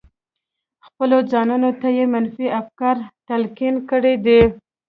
خپلو ځانونو ته يې منفي افکار تلقين کړي دي.